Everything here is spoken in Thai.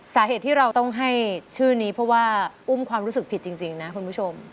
สาเหตุที่เราต้องให้ชื่อนี้เพราะว่าอุ้มความรู้สึกผิดจริงนะคุณผู้ชม